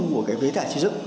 của cái phế thải xây dựng